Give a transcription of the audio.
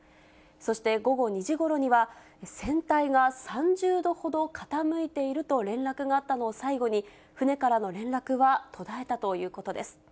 そして午後２時ごろには、船体が３０度ほど傾いていると連絡があったのを最後に、船からの連絡は途絶えたということです。